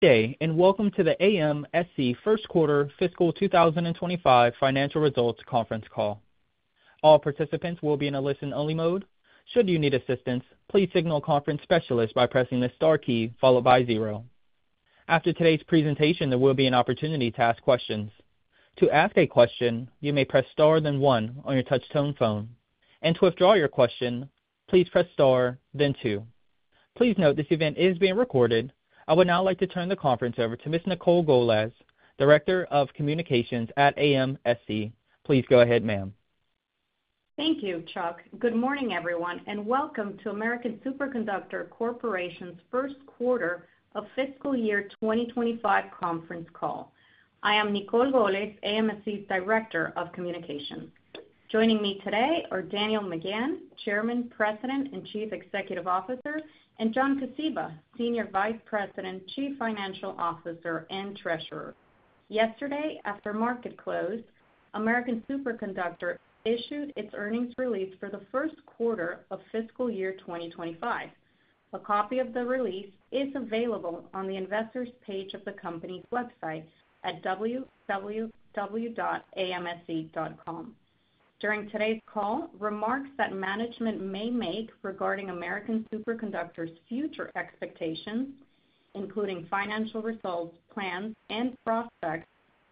Welcome to the AMSC first quarter fiscal 2025 financial results conference call. All participants will be in a listen-only mode. Should you need assistance, please signal a conference specialist by pressing the star key followed by zero. After today's presentation, there will be an opportunity to ask questions. To ask a question, you may press star then one on your touch-tone phone. To withdraw your question, please press star then two. Please note this event is being recorded. I would now like to turn the conference over to Miss Nicole Golez, Director of Communications at AMSC. Please go ahead, ma'am. Thank you, Chuck. Good morning, everyone, and welcome to American Superconductor Corporation's first quarter of fiscal year 2025 conference call. I am Nicole Golez, AMSC's Director of Communications. Joining me today are Daniel McGahn, Chairman, President and Chief Executive Officer, and John Kosiba, Senior Vice President, Chief Financial Officer and Treasurer. Yesterday, after market close, American Superconductor issued its earnings release for the first quarter of fiscal year 2025. A copy of the release is available on the investors' page of the company's website at www.amsc.com. During today's call, remarks that management may make regarding American Superconductor's future expectations, including financial results, plans, and prospects,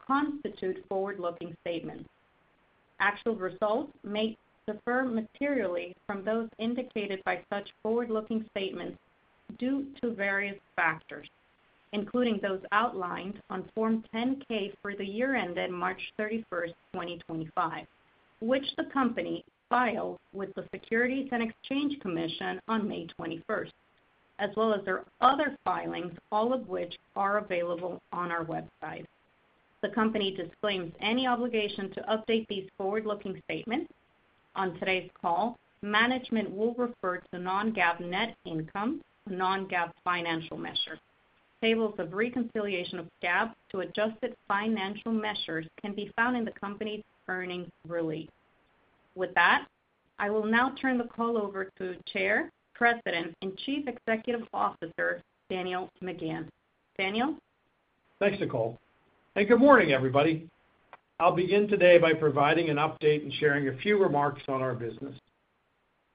constitute forward-looking statements. Actual results may differ materially from those indicated by such forward-looking statements due to various factors, including those outlined on Form 10-K for the year ended March 31, 2025, which the company filed with the Securities and Exchange Commission on May 21, as well as their other filings, all of which are available on our website. The company disclaims any obligation to update these forward-looking statements. On today's call, management will refer to the non-GAAP net income, a non-GAAP financial measure. Tables of reconciliation of GAAP to adjusted financial measures can be found in the company's earnings release. With that, I will now turn the call over to Chairman, President, and Chief Executive Officer, Daniel McGahn. Daniel? Thanks, Nicole. Good morning, everybody. I'll begin today by providing an update and sharing a few remarks on our business.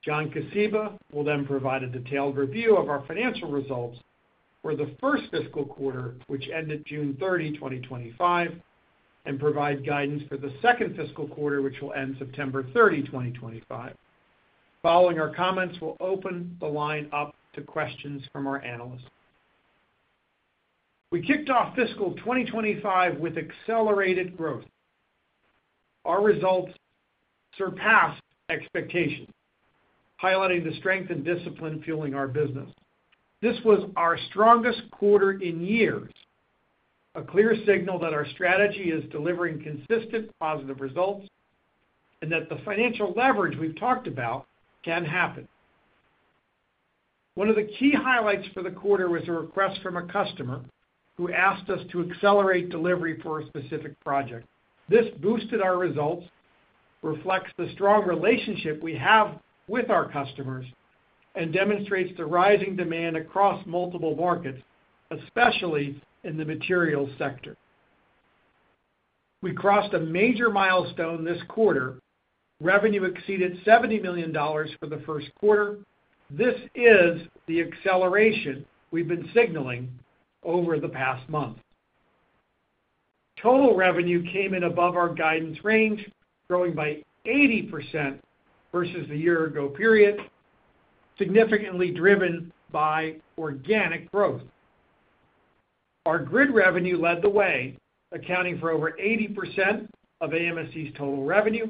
John Kosiba will then provide a detailed review of our financial results for the first fiscal quarter, which ended June 30, 2025, and provide guidance for the second fiscal quarter, which will end September 30, 2025. Following our comments, we'll open the line up to questions from our analysts. We kicked off fiscal 2025 with accelerated growth. Our results surpassed expectations, highlighting the strength and discipline fueling our business. This was our strongest quarter in years, a clear signal that our strategy is delivering consistent positive results and that the financial leverage we've talked about can happen. One of the key highlights for the quarter was a request from a customer who asked us to accelerate delivery for a specific project. This boosted our results, reflects the strong relationship we have with our customers, and demonstrates the rising demand across multiple markets, especially in the materials sector. We crossed a major milestone this quarter. Revenue exceeded $70 million for the first quarter. This is the acceleration we've been signaling over the past month. Total revenue came in above our guidance range, growing by 80% versus the year-ago period, significantly driven by organic growth. Our grid revenue led the way, accounting for over 80% of AMSC's total revenue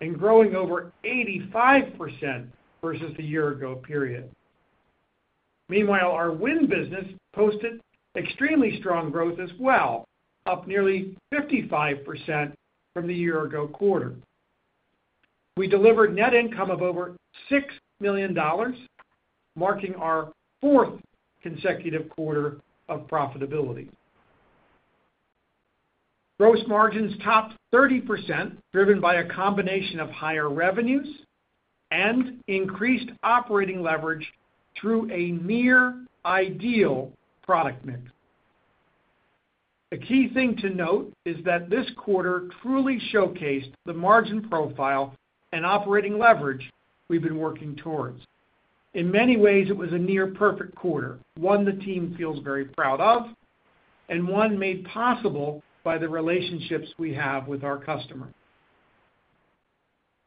and growing over 85% versus the year-ago period. Meanwhile, our wind business posted extremely strong growth as well, up nearly 55% from the year-ago quarter. We delivered net income of over $6 million, marking our fourth consecutive quarter of profitability. Gross margins topped 30%, driven by a combination of higher revenues and increased operating leverage through a near-ideal product mix. A key thing to note is that this quarter truly showcased the margin profile and operating leverage we've been working towards. In many ways, it was a near-perfect quarter, one the team feels very proud of and one made possible by the relationships we have with our customers.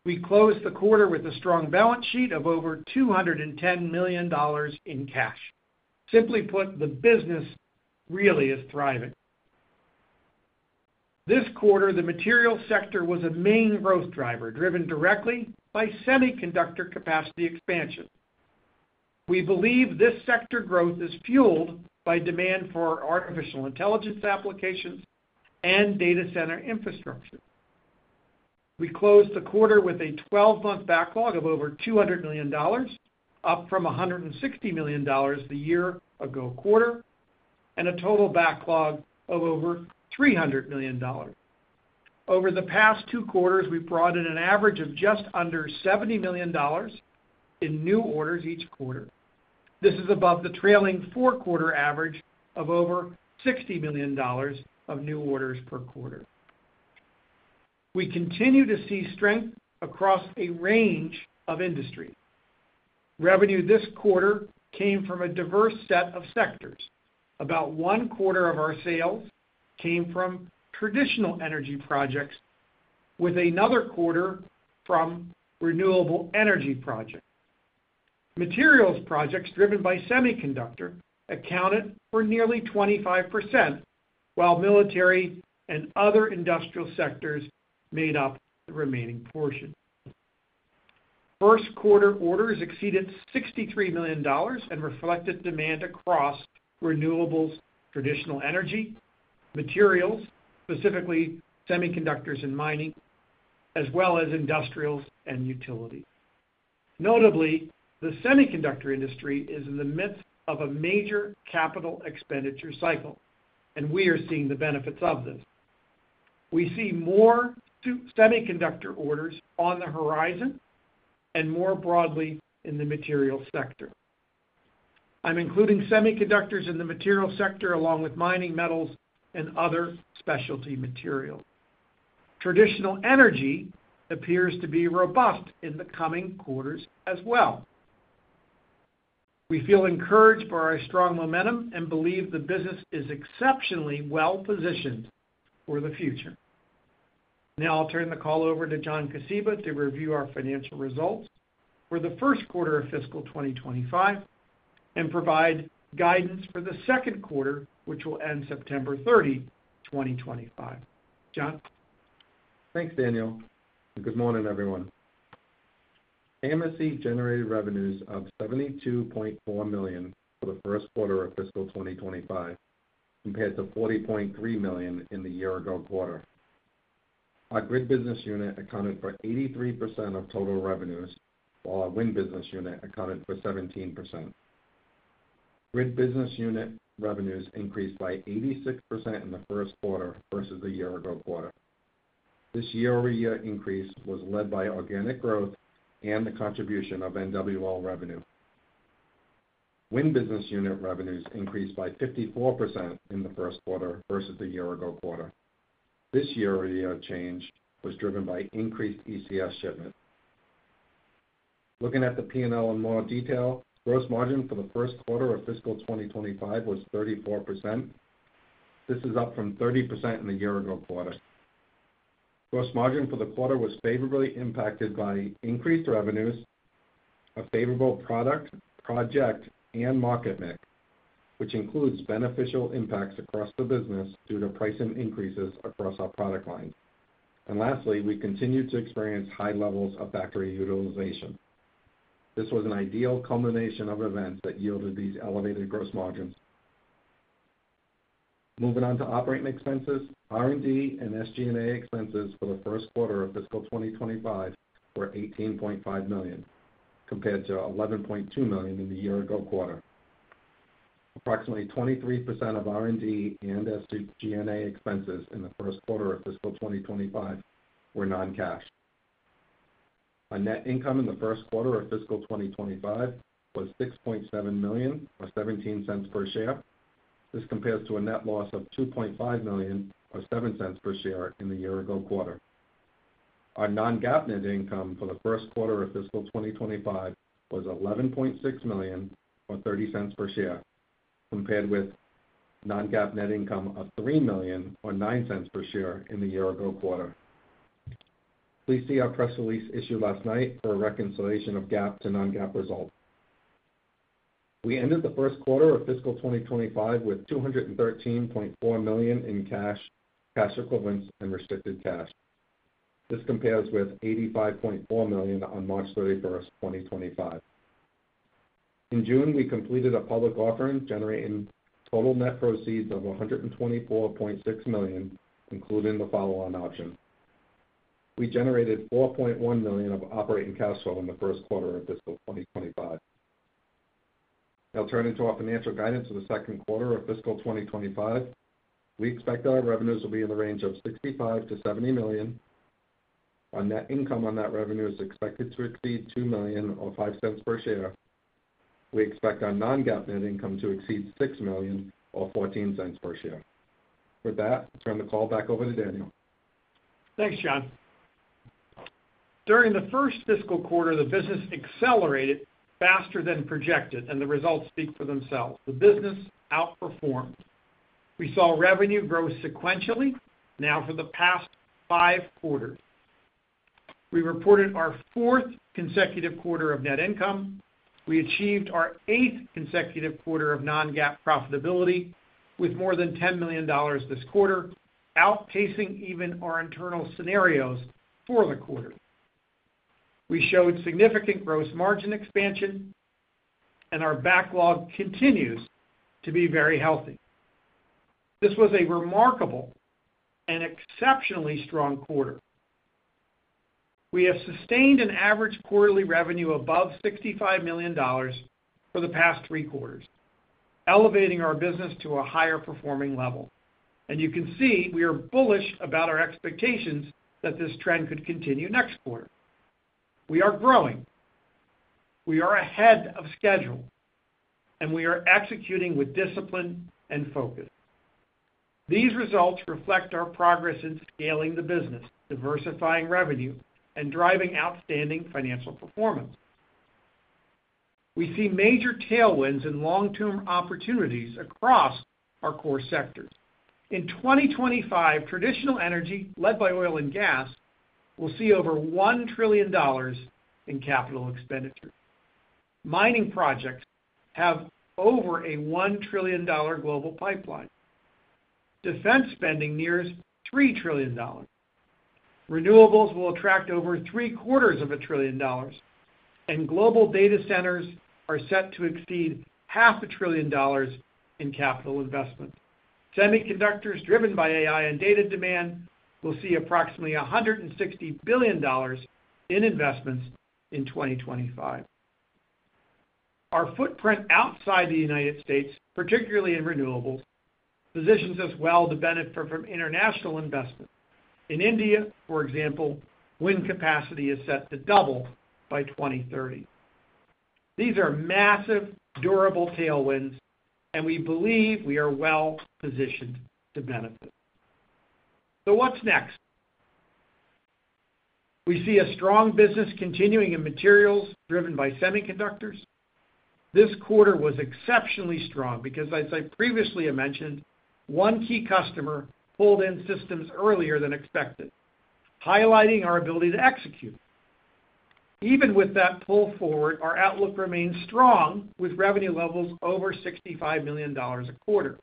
We closed the quarter with a strong balance sheet of over $210 million in cash. Simply put, the business really is thriving. This quarter, the materials sector was a main growth driver, driven directly by semiconductor capacity expansion. We believe this sector growth is fueled by demand for artificial intelligence applications and data center infrastructure. We closed the quarter with a 12-month backlog of over $200 million, up from $160 million the year-ago quarter, and a total backlog of over $300 million. Over the past two quarters, we brought in an average of just under $70 million in new orders each quarter. This is above the trailing four-quarter average of over $60 million of new orders per quarter. We continue to see strength across a range of industries. Revenue this quarter came from a diverse set of sectors. About one quarter of our sales came from traditional energy projects, with another quarter from renewable energy projects. Materials projects driven by semiconductor accounted for nearly 25%, while military and other industrial sectors made up the remaining portion. First quarter orders exceeded $63 million and reflected demand across renewables, traditional energy, materials, specifically semiconductors and mining, as well as industrials and utilities. Notably, the semiconductor industry is in the midst of a major capital expenditure cycle, and we are seeing the benefits of this. We see more semiconductor orders on the horizon and more broadly in the materials sector. I'm including semiconductors in the materials sector along with mining metals and other specialty materials. Traditional energy appears to be robust in the coming quarters as well. We feel encouraged by our strong momentum and believe the business is exceptionally well-positioned for the future. Now I'll turn the call over to John Kosiba to review our financial results for the first quarter of fiscal 2025 and provide guidance for the second quarter, which will end September 30, 2025. John? Thanks, Daniel. Good morning, everyone. AMSC generated revenues of $72.4 million for the first quarter of fiscal 2025 compared to $40.3 million in the year-ago quarter. Our grid business unit accounted for 83% of total revenues, while our wind business unit accounted for 17%. Grid business unit revenues increased by 86% in the first quarter versus the year-ago quarter. This year-over-year increase was led by organic growth and the contribution of NWL revenue. Wind business unit revenues increased by 54% in the first quarter versus the year-ago quarter. This year-over-year change was driven by increased ECS shipments. Looking at the P&L in more detail, gross margin for the first quarter of fiscal 2025 was 34%. This is up from 30% in the year-ago quarter. Gross margin for the quarter was favorably impacted by increased revenues, a favorable product, project, and market mix, which includes beneficial impacts across the business due to pricing increases across our product lines. Lastly, we continue to experience high levels of factory utilization. This was an ideal culmination of events that yielded these elevated gross margins. Moving on to operating expenses, R&D and SG&A expenses for the first quarter of fiscal 2025 were $18.5 million compared to $11.2 million in the year-ago quarter. Approximately 23% of R&D and SG&A expenses in the first quarter of fiscal 2025 were non-cash. Our net income in the first quarter of fiscal 2025 was $6.7 million or $0.17 per share. This compares to a net loss of $2.5 million or $0.07 per share in the year-ago quarter. Our non-GAAP net income for the first quarter of fiscal 2025 was $11.6 million or $0.30 per share, compared with non-GAAP net income of $3 million or $0.09 per share in the year-ago quarter. Please see our press release issued last night for a reconciliation of GAAP to non-GAAP results. We ended the first quarter of fiscal 2025 with $213.4 million in cash, cash equivalents, and restricted cash. This compares with $85.4 million on March 31, 2025. In June, we completed a public offering generating total net proceeds of $124.6 million, including the follow-on options. We generated $4.1 million of operating cash flow in the first quarter of fiscal 2025. Now turning to our financial guidance for the second quarter of fiscal 2025, we expect that our revenues will be in the range of $65 to $70 million. Our net income on that revenue is expected to exceed $2 million or $0.05 per share. We expect our non-GAAP net income to exceed $6 million or $0.14 per share. With that, I'll turn the call back over to Daniel. Thanks, John. During the first fiscal quarter, the business accelerated faster than projected, and the results speak for themselves. The business outperformed. We saw revenue grow sequentially now for the past five quarters. We reported our fourth consecutive quarter of net income. We achieved our eighth consecutive quarter of non-GAAP profitability with more than $10 million this quarter, outpacing even our internal scenarios for the quarter. We showed significant gross margin expansion, and our backlog continues to be very healthy. This was a remarkable and exceptionally strong quarter. We have sustained an average quarterly revenue above $65 million for the past three quarters, elevating our business to a higher performing level. You can see we are bullish about our expectations that this trend could continue next quarter. We are growing. We are ahead of schedule, and we are executing with discipline and focus. These results reflect our progress in scaling the business, diversifying revenue, and driving outstanding financial performance. We see major tailwinds and long-term opportunities across our core sectors. In 2025, traditional energy, led by oil and gas, will see over $1 trillion in capital expenditures. Mining projects have over a $1 trillion global pipeline. Defense spending nears $3 trillion. Renewables will attract over three quarters of a trillion dollars, and global data centers are set to exceed half a trillion dollars in capital investments. Semiconductors driven by AI and data demand will see approximately $160 billion in investments in 2025. Our footprint outside the U.S., particularly in renewables, positions us well to benefit from international investments. In India, for example, wind capacity is set to double by 2030. These are massive, durable tailwinds, and we believe we are well positioned to benefit. What's next? We see a strong business continuing in materials driven by semiconductors. This quarter was exceptionally strong because, as I previously mentioned, one key customer pulled in systems earlier than expected, highlighting our ability to execute. Even with that pull forward, our outlook remains strong with revenue levels over $65 million a quarter.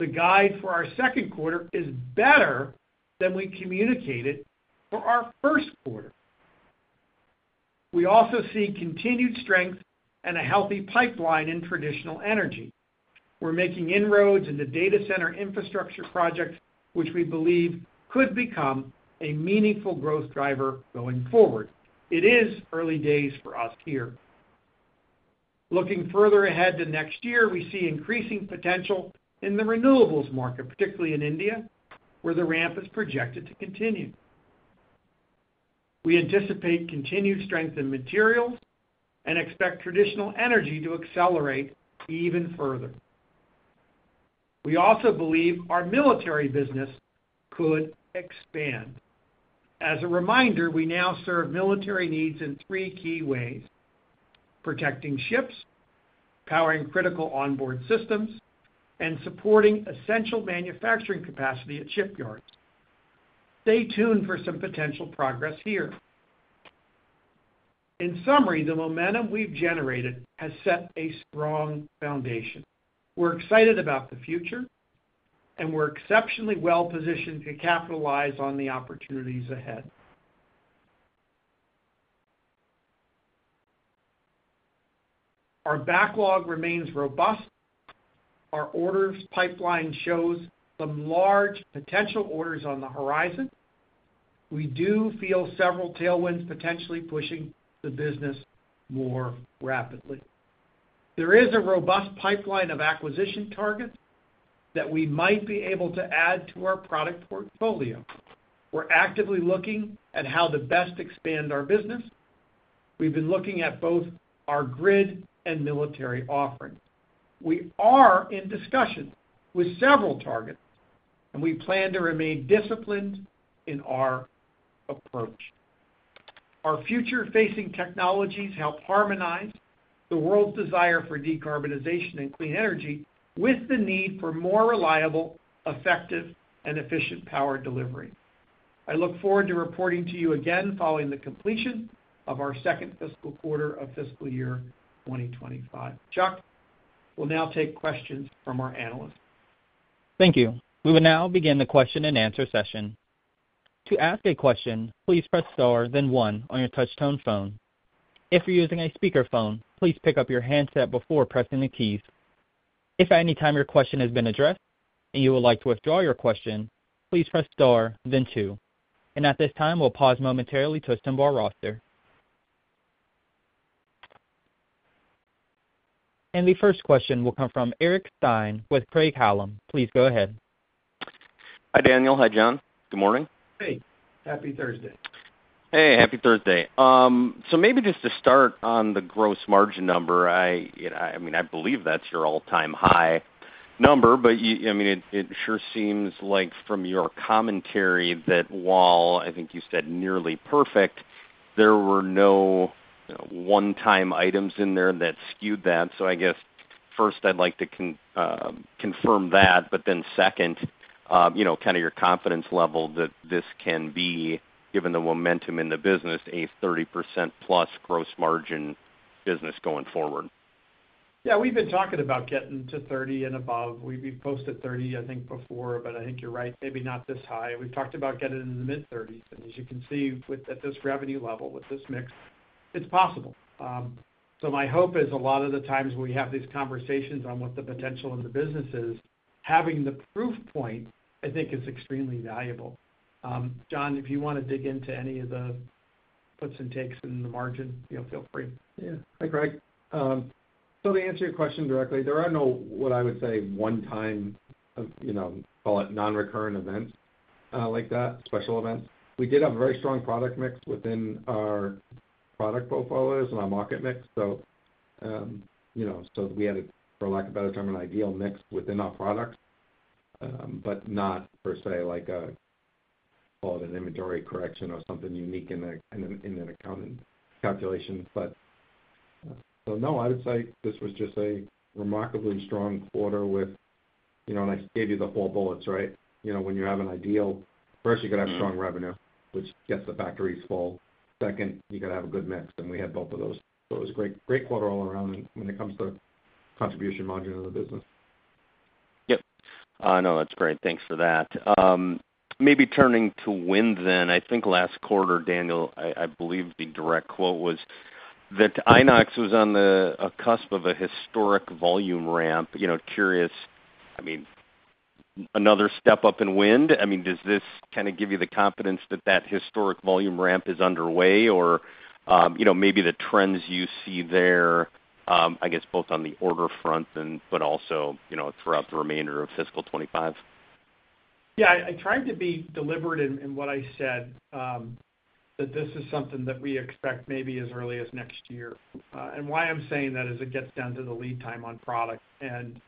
The guide for our second quarter is better than we communicated for our first quarter. We also see continued strength and a healthy pipeline in traditional energy. We're making inroads in the data center infrastructure projects, which we believe could become a meaningful growth driver going forward. It is early days for us here. Looking further ahead to next year, we see increasing potential in the renewables market, particularly in India, where the ramp is projected to continue. We anticipate continued strength in materials and expect traditional energy to accelerate even further. We also believe our military business could expand. As a reminder, we now serve military needs in three key ways: protecting ships, powering critical onboard systems, and supporting essential manufacturing capacity at shipyards. Stay tuned for some potential progress here. In summary, the momentum we've generated has set a strong foundation. We're excited about the future, and we're exceptionally well positioned to capitalize on the opportunities ahead. Our backlog remains robust. Our orders pipeline shows some large potential orders on the horizon. We do feel several tailwinds potentially pushing the business more rapidly. There is a robust pipeline of acquisition targets that we might be able to add to our product portfolio. We're actively looking at how to best expand our business. We've been looking at both our grid and military offerings. We are in discussions with several targets, and we plan to remain disciplined in our approach. Our future-facing technologies help harmonize the world's desire for decarbonization and clean energy with the need for more reliable, effective, and efficient power delivery. I look forward to reporting to you again following the completion of our second fiscal quarter of fiscal year 2025. Chuck, we'll now take questions from our analysts. Thank you. We will now begin the question and answer session. To ask a question, please press star then one on your touch-tone phone. If you're using a speakerphone, please pick up your handset before pressing the keys. If at any time your question has been addressed and you would like to withdraw your question, please press star then two. At this time, we'll pause momentarily to a standby roster. The first question will come from Eric Stine with Craig-Hallum Capital Group LLC. Please go ahead. Hi, Daniel. Hi, John. Good morning. Hey, happy Thursday. Hey, happy Thursday. Maybe just to start on the gross margin number, I believe that's your all-time high number, but it sure seems like from your commentary that while I think you said nearly perfect, there were no one-time items in there that skewed that. I guess first I'd like to confirm that, but then second, your confidence level that this can be, given the momentum in the business, a 30%+ gross margin business going forward. Yeah, we've been talking about getting to 30 and above. We've posted 30, I think, before, but I think you're right, maybe not this high. We've talked about getting in the mid-30s. As you can see with this revenue level, with this mix, it's possible. My hope is a lot of the times when we have these conversations on what the potential in the business is, having the proof point, I think, is extremely valuable. John, if you want to dig into any of the puts and takes in the margin, feel free. Yeah. Hi, Craig. To answer your question directly, there are no, what I would say, one-time, you know, call it non-recurrent events like that, special events. We did have a very strong product mix within our product profiles and our market mix. We had, for lack of a better term, an ideal mix within our products, but not per se like a, call it an inventory correction or something unique in an accounting calculation. No, I would say this was just a remarkably strong quarter with, you know, and I gave you the whole bullets, right? When you have an ideal, first, you've got to have strong revenue, which gets the factories full. Second, you've got to have a good mix, and we had both of those. It was a great, great quarter all around when it comes to contribution margin in the business. Yep. No, that's great. Thanks for that. Maybe turning to wind then, I think last quarter, Daniel, I believe the direct quote was that INOX was on the cusp of a historic volume ramp. Curious, I mean, another step up in wind? Does this kind of give you the confidence that that historic volume ramp is underway or, you know, maybe the trends you see there, I guess both on the order front and, but also, you know, throughout the remainder of fiscal 2025? Yeah, I tried to be deliberate in what I said, that this is something that we expect maybe as early as next year. Why I'm saying that is it gets down to the lead time on product and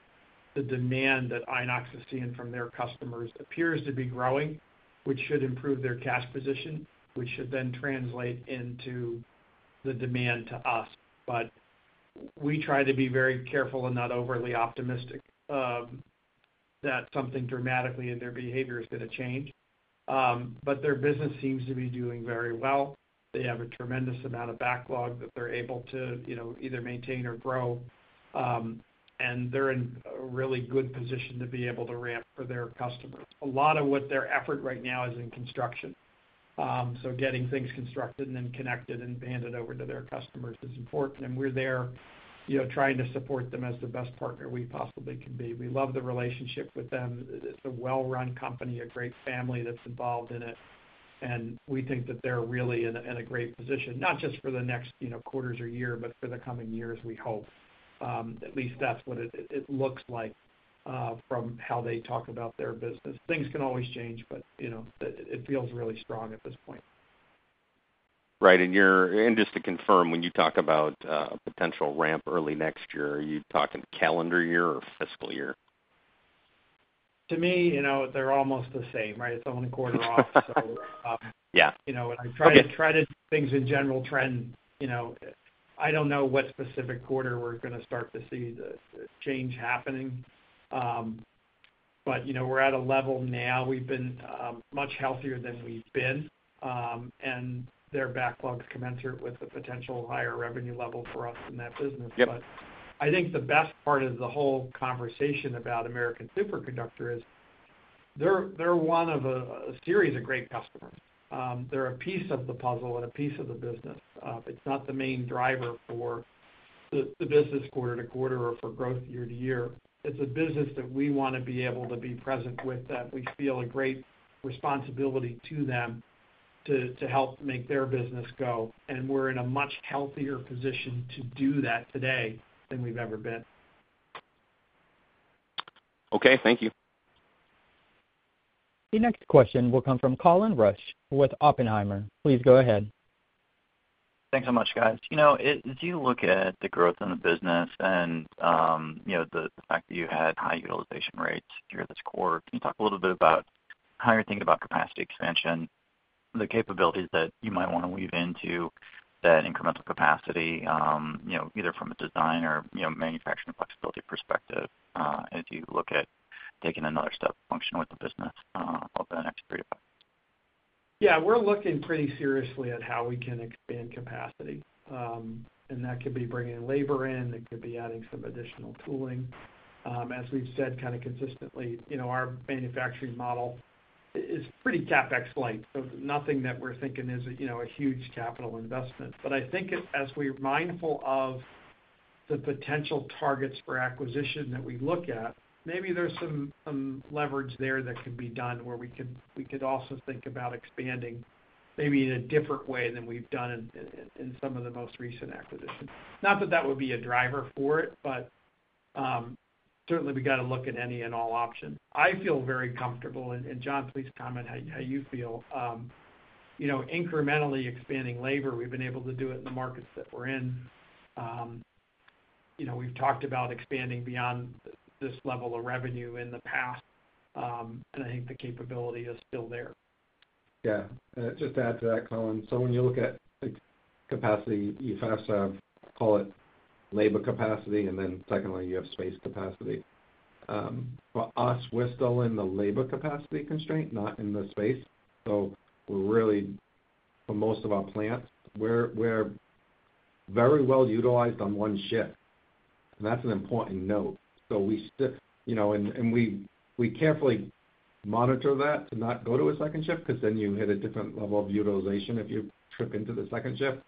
the demand that INOX is seeing from their customers appears to be growing, which should improve their cash position, which should then translate into the demand to us. We try to be very careful and not overly optimistic that something dramatically in their behavior is going to change. Their business seems to be doing very well. They have a tremendous amount of backlog that they're able to either maintain or grow, and they're in a really good position to be able to ramp for their customers. A lot of what their effort right now is in construction, so getting things constructed and then connected and handed over to their customers is important. We're there trying to support them as the best partner we possibly can be. We love the relationship with them. It's a well-run company, a great family that's involved in it, and we think that they're really in a great position, not just for the next quarters or year, but for the coming years, we hope. At least that's what it looks like from how they talk about their business. Things can always change, but it feels really strong at this point. Right. Just to confirm, when you talk about a potential ramp early next year, are you talking calendar year or fiscal year? To me, you know, they're almost the same, right? It's the only quarter off. Yeah, you know, I try to try to things in general trend. I don't know what specific quarter we're going to start to see the change happening. You know, we're at a level now. We've been much healthier than we've been, and their backlog is commensurate with the potential higher revenue level for us in that business. I think the best part of the whole conversation about American Superconductor is they're one of a series of great customers. They're a piece of the puzzle and a piece of the business. It's not the main driver for the business quarter to quarter or for growth year to year. It's a business that we want to be able to be present with them. We feel a great responsibility to them to help make their business go. We're in a much healthier position to do that today than we've ever been. Okay, thank you. The next question will come from Colin Rusch with Oppenheimer & Co. Inc. Please go ahead. Thanks so much, guys. As you look at the growth in the business and the fact that you had high utilization rates here this quarter, can you talk a little bit about how you're thinking about capacity expansion, the capabilities that you might want to weave into that incremental capacity, either from a design or manufacturing flexibility perspective, as you look at taking another step function with the business over the next three to five? Yeah, we're looking pretty seriously at how we can expand capacity. That could be bringing labor in. It could be adding some additional tooling. As we've said kind of consistently, our manufacturing model is pretty CapEx-like. Nothing that we're thinking is a huge capital investment. I think as we're mindful of the potential targets for acquisition that we look at, maybe there's some leverage there that could be done where we could also think about expanding maybe in a different way than we've done in some of the most recent acquisitions. Not that that would be a driver for it, but certainly, we got to look at any and all options. I feel very comfortable, and John, please comment how you feel. Incrementally expanding labor, we've been able to do it in the markets that we're in. We've talked about expanding beyond this level of revenue in the past, and I think the capability is still there. Yeah. Just to add to that, Colin, when you look at capacity, you first have, call it, labor capacity, and then secondly, you have space capacity. For us, we're still in the labor capacity constraint, not in the space. We're really, for most of our plants, very well utilized on one shift. That's an important note. We carefully monitor that to not go to a second shift because you hit a different level of utilization if you trip into the second shift.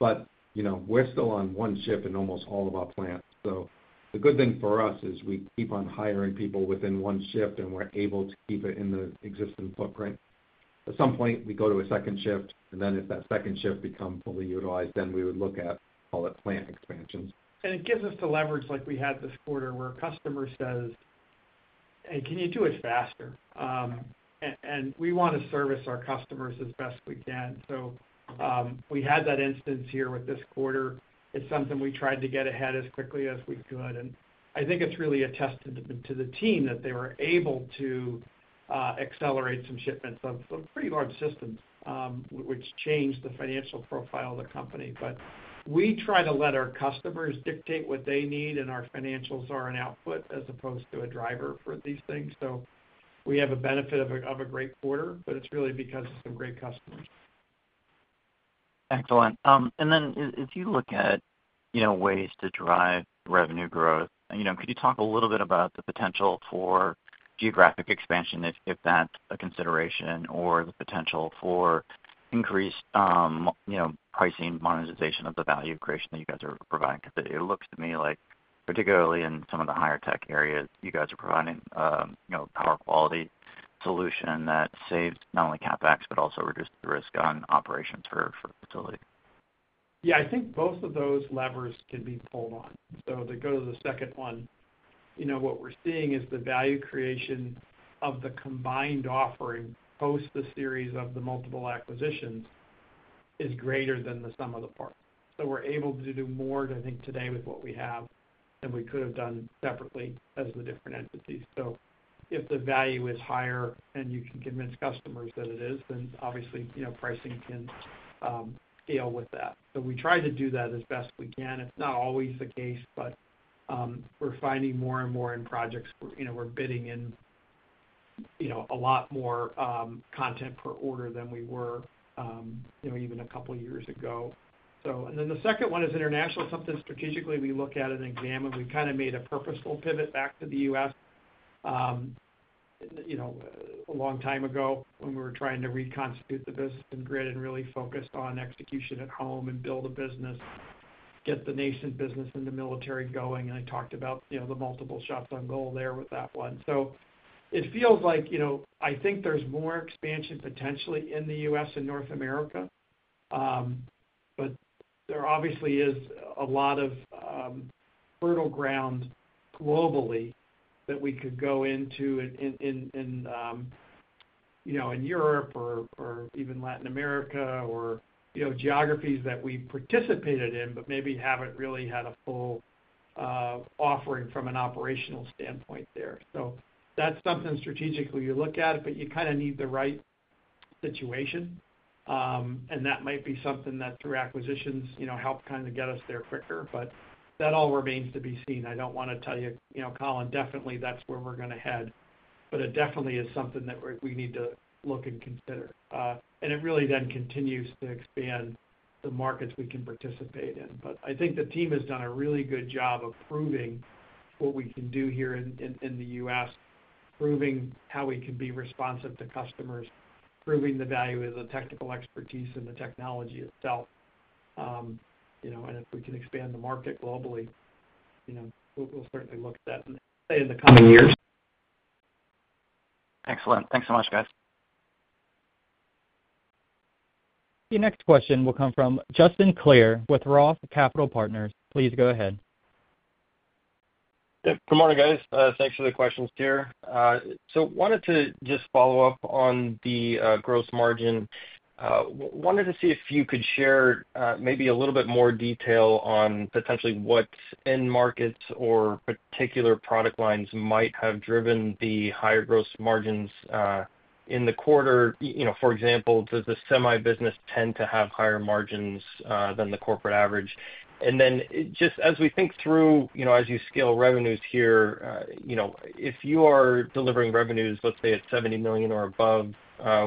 We're still on one shift in almost all of our plants. The good thing for us is we keep on hiring people within one shift, and we're able to keep it in the existing footprint. At some point, we go to a second shift, and if that second shift becomes fully utilized, we would look at, call it, plant expansions. It gives us the leverage like we had this quarter where a customer says, "Hey, can you do it faster?" and we want to service our customers as best we can. We had that instance here with this quarter. It's something we tried to get ahead as quickly as we could. I think it's really a testament to the team that they were able to accelerate some shipments of pretty large systems, which changed the financial profile of the company. We try to let our customers dictate what they need, and our financials are an output as opposed to a driver for these things. We have a benefit of a great quarter, but it's really because of some great customers. Excellent. If you look at ways to drive revenue growth, could you talk a little bit about the potential for geographic expansion if that's a consideration or the potential for increased pricing, monetization of the value creation that you guys are providing? It looks to me like, particularly in some of the higher tech areas, you guys are providing a power quality solution that saves not only CapEx but also reduces the risk on operations for facilities. Yeah, I think both of those levers can be pulled on. To go to the second one, what we're seeing is the value creation of the combined offering post the series of the multiple acquisitions is greater than the sum of the parts. We're able to do more, I think, today with what we have than we could have done separately as the different entities. If the value is higher and you can convince customers that it is, then obviously pricing can scale with that. We try to do that as best we can. It's not always the case, but we're finding more and more in projects where we're bidding in a lot more content per order than we were even a couple of years ago. The second one is international, something strategically we look at and examine. We kind of made a purposeful pivot back to the U.S. a long time ago when we were trying to reconstitute the business and grid and really focused on execution at home and build a business, get the nascent business in the military going. I talked about the multiple shots on goal there with that one. It feels like there's more expansion potentially in the U.S. and North America. There obviously is a lot of fertile ground globally that we could go into in Europe or even Latin America or geographies that we participated in but maybe haven't really had a full offering from an operational standpoint there. That's something strategically you look at, but you kind of need the right situation, and that might be something that through acquisitions helps kind of get us there quicker. That all remains to be seen. I don't want to tell you, Colin, definitely that's where we're going to head. It definitely is something that we need to look and consider, and it really then continues to expand the markets we can participate in. I think the team has done a really good job of proving what we can do here in the U.S., proving how we can be responsive to customers, proving the value of the technical expertise and the technology itself. If we can expand the market globally, we'll certainly look at that in the coming years. Excellent. Thanks so much, guys. The next question will come from Justin Clare with Roth Capital Partners. Please go ahead. Good morning, guys. Thanks for the questions, Pierre. I wanted to just follow up on the gross margin. Wanted to see if you could share maybe a little bit more detail on potentially what end markets or particular product lines might have driven the higher gross margins in the quarter. For example, does the semi-business tend to have higher margins than the corporate average? Just as we think through, as you scale revenues here, if you are delivering revenues, let's say at $70 million or above,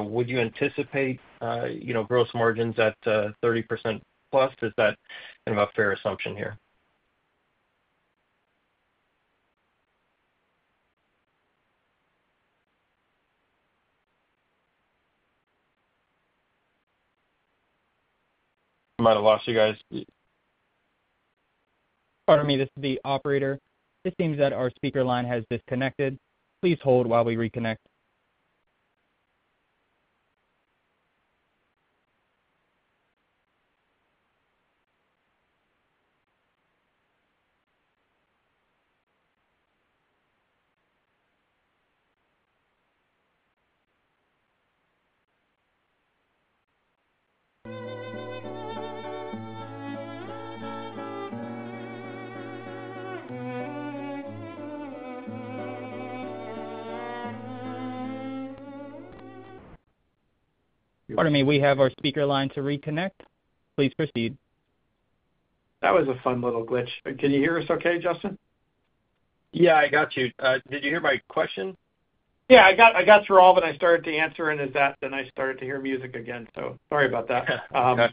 would you anticipate gross margins at 30% plus? Is that kind of a fair assumption here? I might have lost you guys. Pardon me, this is the operator. It seems that our speaker line has disconnected. Please hold while we reconnect. Pardon me, we have our speaker line reconnected. Please proceed. That was a fun little glitch. Can you hear us okay, Justin? Yeah, I got you. Did you hear my question? Yeah, I got through all, but I started to answer, and then I started to hear music again. Sorry about that. Okay.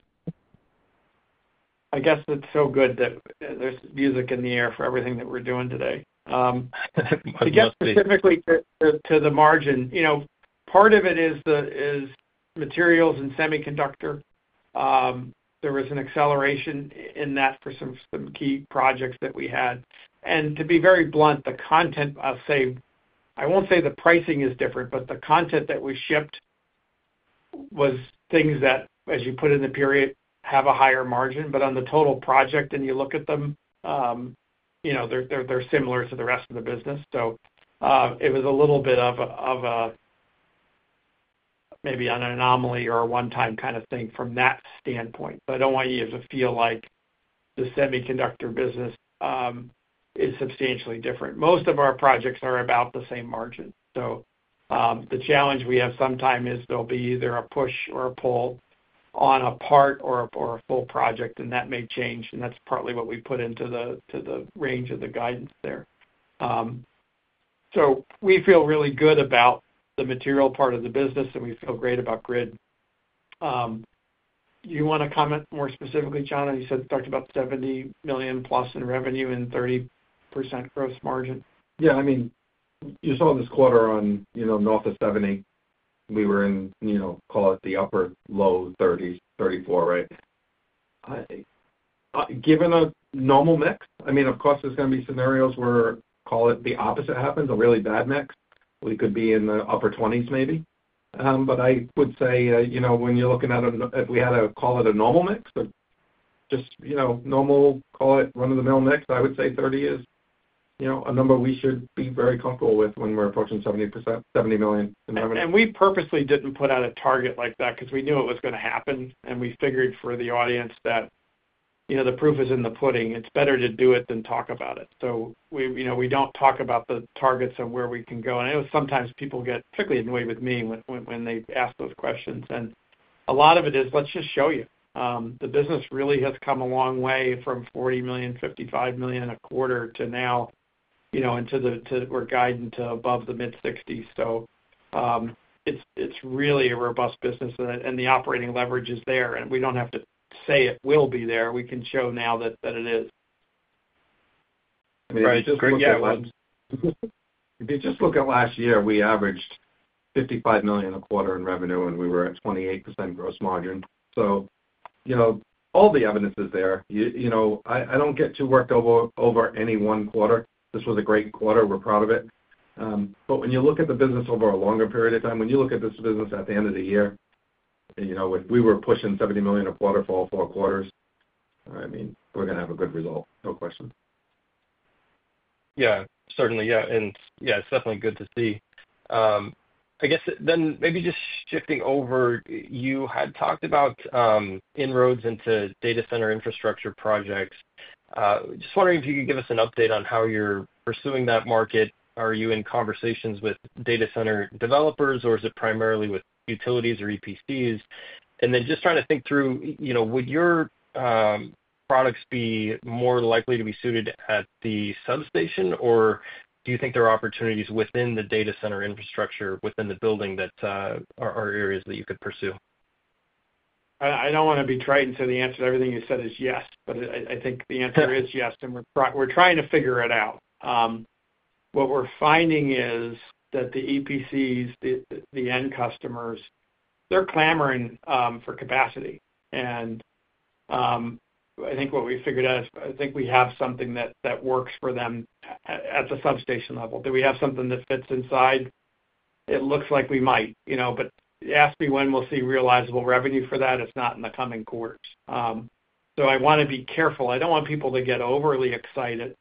I guess it's so good that there's music in the air for everything that we're doing today. I guess specifically to the margin, part of it is materials and semiconductor. There was an acceleration in that for some key projects that we had. To be very blunt, the content, I'll say, I won't say the pricing is different, but the content that we shipped was things that, as you put in the period, have a higher margin. On the total project, when you look at them, they're similar to the rest of the business. It was a little bit of maybe an anomaly or a one-time kind of thing from that standpoint. I don't want you to feel like the semiconductor business is substantially different. Most of our projects are about the same margin. The challenge we have sometimes is there'll be either a push or a pull on a part or a full project, and that may change. That's partly what we put into the range of the guidance there. We feel really good about the material part of the business, and we feel great about grid. You want to comment more specifically, John? You said you talked about $70 million plus in revenue and 30% gross margin. Yeah, I mean, you saw this quarter on, you know, north of $70 million. We were in, you know, call it the upper low 30s, $34 million, right? Given a normal mix, I mean, of course, there's going to be scenarios where, call it, the opposite happens, a really bad mix. We could be in the upper 20s, maybe. I would say, you know, when you're looking at a, if we had a, call it, a normal mix, but just, you know, normal, call it, run-of-the-mill mix, I would say $30 million is, you know, a number we should be very comfortable with when we're approaching 70%, $70 million in revenue. We purposely didn't put out a target like that because we knew it was going to happen. We figured for the audience that the proof is in the pudding. It's better to do it than talk about it. We don't talk about the targets and where we can go. I know sometimes people get particularly annoyed with me when they ask those questions. A lot of it is, let's just show you. The business really has come a long way from $40 million, $55 million a quarter to now, you know, we're guiding to above the mid-$60 million. It's really a robust business, and the operating leverage is there. We don't have to say it will be there. We can show now that it is. I mean, just look at last year, we averaged $55 million a quarter in revenue, and we were at 28% gross margin. All the evidence is there. I don't get too worked over any one quarter. This was a great quarter. We're proud of it, but when you look at the business over a longer period of time, when you look at this business at the end of the year, if we were pushing $70 million a quarter for all four quarters, I mean, we're going to have a good result. No question. Yeah, certainly. It's definitely good to see. I guess then maybe just shifting over, you had talked about inroads into data center infrastructure projects. Just wondering if you could give us an update on how you're pursuing that market. Are you in conversations with data center developers, or is it primarily with utilities or EPCs? Just trying to think through, you know, would your products be more likely to be suited at the substation, or do you think there are opportunities within the data center infrastructure, within the building that are areas that you could pursue? I don't want to be trite and say the answer to everything you said is yes, but I think the answer is yes, and we're trying to figure it out. What we're finding is that the EPCs, the end customers, they're clamoring for capacity. I think what we figured out is I think we have something that works for them at the substation level. Do we have something that fits inside? It looks like we might, you know, but ask me when we'll see realizable revenue for that. It's not in the coming quarters. I want to be careful. I don't want people to get overly excited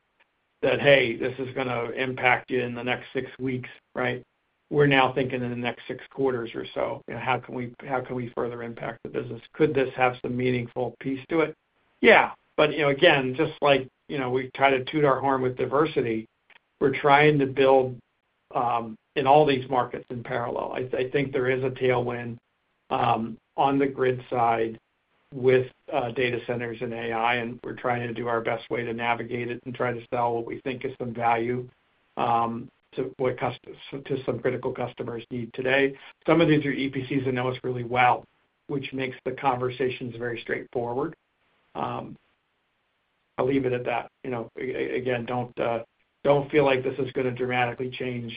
that, hey, this is going to impact you in the next six weeks, right? We're now thinking in the next six quarters or so. You know, how can we further impact the business? Could this have some meaningful piece to it? Yeah. You know, again, just like we try to toot our horn with diversity, we're trying to build in all these markets in parallel. I think there is a tailwind on the grid side with data centers and AI, and we're trying to do our best way to navigate it and try to sell what we think is some value to what customers, to some critical customers, need today. Some of these are EPCs that know us really well, which makes the conversations very straightforward. I'll leave it at that. You know, again, don't feel like this is going to dramatically change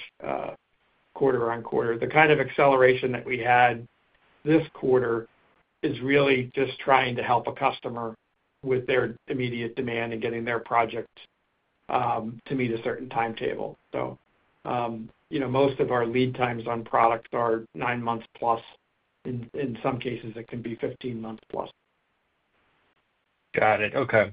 quarter on quarter. The kind of acceleration that we had this quarter is really just trying to help a customer with their immediate demand and getting their project to meet a certain timetable. Most of our lead times on product are nine months plus. In some cases, it can be 15 months plus. Got it. Okay.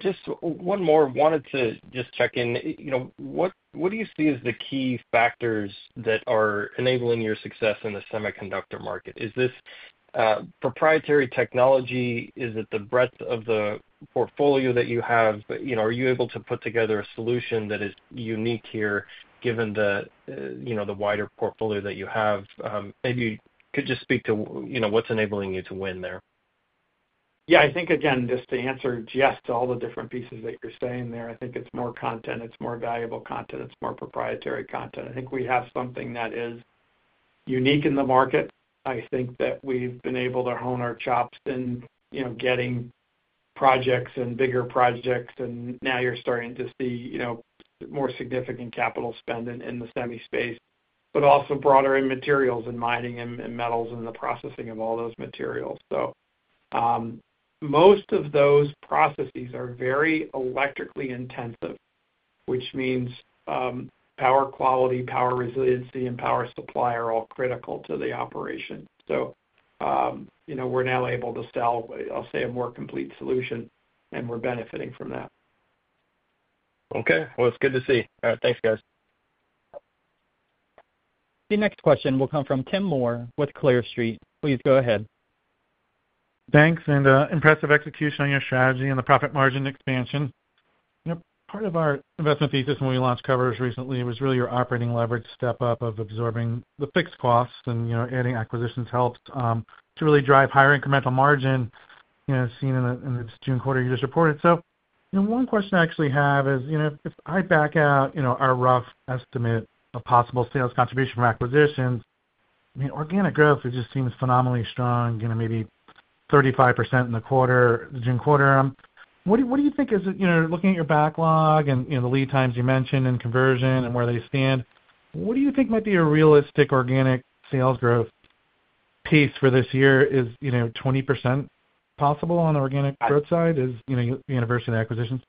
Just one more. Wanted to just check in. You know, what do you see as the key factors that are enabling your success in the semiconductor market? Is this proprietary technology? Is it the breadth of the portfolio that you have? You know, are you able to put together a solution that is unique here given the wider portfolio that you have? Maybe you could just speak to what's enabling you to win there. Yeah, I think, again, just to answer yes to all the different pieces that you're saying there, I think it's more content. It's more valuable content. It's more proprietary content. I think we have something that is unique in the market. I think that we've been able to hone our chops in getting projects and bigger projects. You're starting to see more significant capital spend in the semi-space, but also broader in materials and mining and metals and the processing of all those materials. Most of those processes are very electrically intensive, which means power quality, power resiliency, and power supply are all critical to the operation. We're now able to sell, I'll say, a more complete solution, and we're benefiting from that. Okay. It's good to see. All right. Thanks, guys. The next question will come from Tim Moore with Clear Street. Please go ahead. Thanks, and impressive execution on your strategy and the profit margin expansion. Part of our investment thesis when we launched Coverers recently was really your operating leverage step up of absorbing the fixed costs and adding acquisitions helped to really drive higher incremental margin, seen in the June quarter you just reported. One question I actually have is, if I back out our rough estimate of possible sales contribution from acquisitions, I mean, organic growth, it just seems phenomenally strong, maybe 35% in the quarter, the June quarter. What do you think is it, looking at your backlog and the lead times you mentioned in conversion and where they stand, what do you think might be a realistic organic sales growth piece for this year? Is 20% possible on the organic growth side? Is the university acquisitions?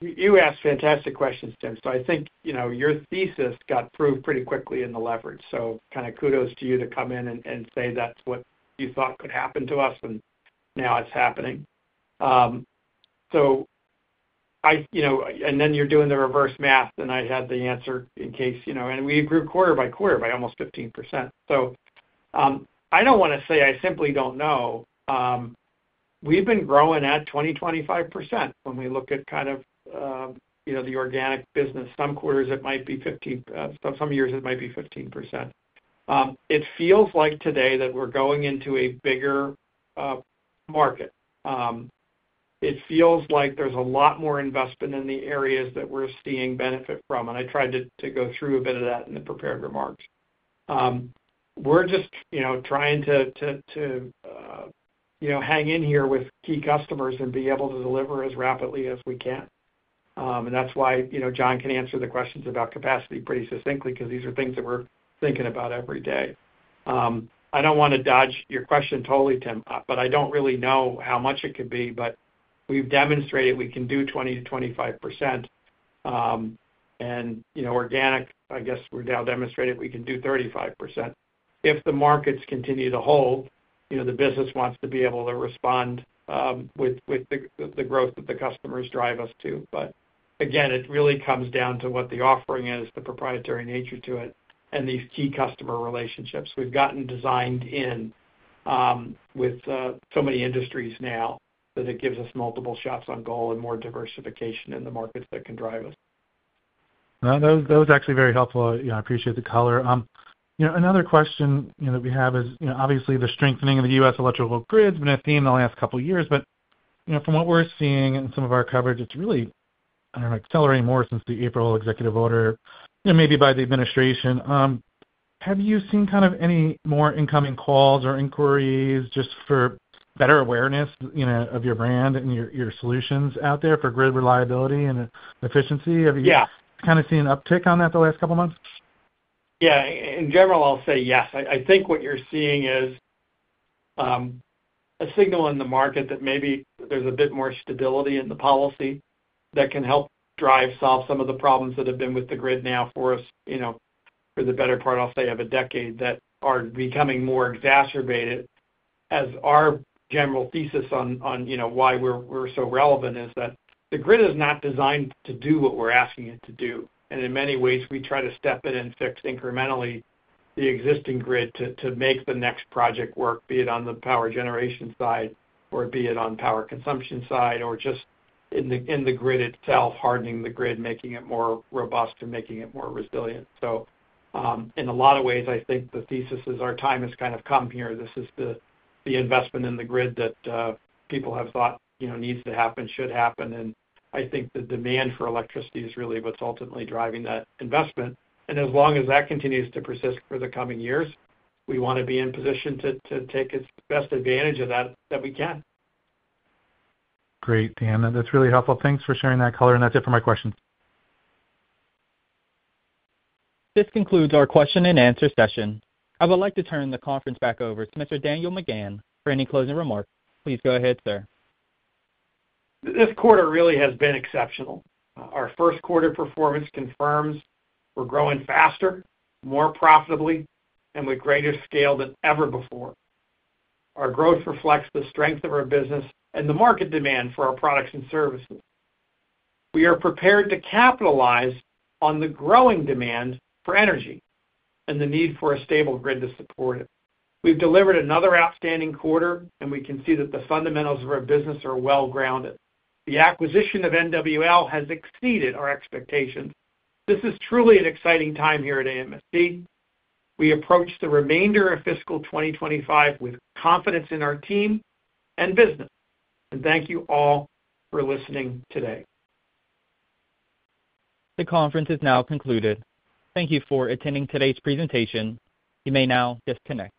You asked fantastic questions, Tim. I think your thesis got proved pretty quickly in the leverage. Kudos to you to come in and say that's what you thought could happen to us, and now it's happening. You're doing the reverse math, and I had the answer in case, you know, and we grew quarter by quarter by almost 15%. I don't want to say I simply don't know. We've been growing at 20% to 25% when we look at the organic business. Some quarters it might be 15%. Some years it might be 15%. It feels like today that we're going into a bigger market. It feels like there's a lot more investment in the areas that we're seeing benefit from. I tried to go through a bit of that in the prepared remarks. We're just trying to hang in here with key customers and be able to deliver as rapidly as we can. That's why John can answer the questions about capacity pretty succinctly because these are things that we're thinking about every day. I don't want to dodge your question totally, Tim, but I don't really know how much it could be, but we've demonstrated we can do 20% to 25%. Organic, I guess we've now demonstrated we can do 35%. If the markets continue to hold, the business wants to be able to respond with the growth that the customers drive us to. Again, it really comes down to what the offering is, the proprietary nature to it, and these key customer relationships. We've gotten designed in with so many industries now that it gives us multiple shots on goal and more diversification in the markets that can drive us. That was actually very helpful. I appreciate the color. Another question that we have is, obviously, the strengthening of the U.S. electrical grid has been a theme in the last couple of years. From what we're seeing in some of our coverage, it's really accelerating more since the April executive order, maybe by the administration. Have you seen any more incoming calls or inquiries just for better awareness of your brand and your solutions out there for grid reliability and efficiency? Yeah. Have you seen an uptick on that the last couple of months? Yeah. In general, I'll say yes. I think what you're seeing is a signal in the market that maybe there's a bit more stability in the policy that can help drive solve some of the problems that have been with the grid now for us for the better part, I'll say, of a decade that are becoming more exacerbated as our general thesis on why we're so relevant is that the grid is not designed to do what we're asking it to do. In many ways, we try to step in and fix incrementally the existing grid to make the next project work, be it on the power generation side or be it on the power consumption side or just in the grid itself, hardening the grid, making it more robust and making it more resilient. In a lot of ways, I think the thesis is our time has kind of come here. This is the investment in the grid that people have thought needs to happen, should happen. I think the demand for electricity is really what's ultimately driving that investment. As long as that continues to persist for the coming years, we want to be in position to take its best advantage of that that we can. Great, Dan. That's really helpful. Thanks for sharing that color. That's it for my questions. This concludes our question and answer session. I would like to turn the conference back over to Mr. Daniel McGahn for any closing remarks. Please go ahead, sir. This quarter really has been exceptional. Our first quarter performance confirms we're growing faster, more profitably, and with greater scale than ever before. Our growth reflects the strength of our business and the market demand for our products and services. We are prepared to capitalize on the growing demand for energy and the need for a stable grid to support it. We've delivered another outstanding quarter, and we can see that the fundamentals of our business are well-grounded. The acquisition of NWL has exceeded our expectations. This is truly an exciting time here at AMSC. We approach the remainder of fiscal 2025 with confidence in our team and business. Thank you all for listening today. The conference is now concluded. Thank you for attending today's presentation. You may now disconnect.